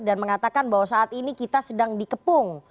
dan mengatakan bahwa saat ini kita sedang dikepung